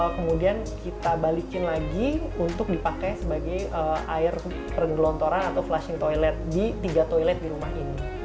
kemudian kita balikin lagi untuk dipakai sebagai air pergelontoran atau flashing toilet di tiga toilet di rumah ini